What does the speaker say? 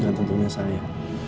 dengan tentunya saya